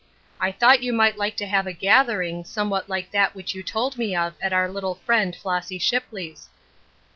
I thought you might like to have a gathering somewhat like that which you told me of at cm little friend. Flossy Shipley's."